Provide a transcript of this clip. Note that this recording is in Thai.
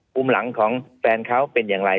ภูมิหลังของแฟนเขาเป็นอย่างไร